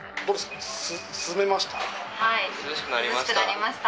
はい、涼しくなりました。